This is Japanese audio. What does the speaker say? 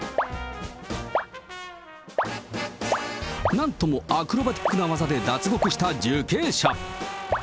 なんともアクロバティックな技で脱獄した受刑者。